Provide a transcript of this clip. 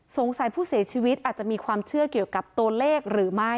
ผู้เสียชีวิตอาจจะมีความเชื่อเกี่ยวกับตัวเลขหรือไม่